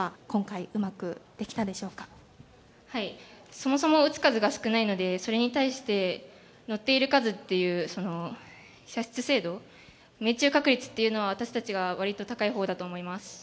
そもそも打つ数が少ないのでそれに対してのっている数っていうその射出精度命中確率っていうのは私たちが割と高いほうだと思います。